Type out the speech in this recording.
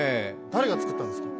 誰が作ったんですか？